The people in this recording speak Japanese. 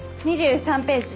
２３ページ。